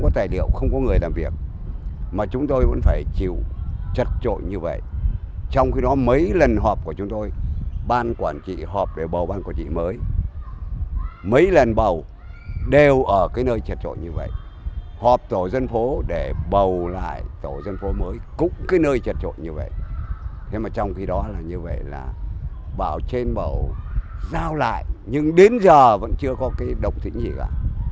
thế mà trong khi đó là như vậy là bảo trên bầu giao lại nhưng đến giờ vẫn chưa có cái động thịnh gì cả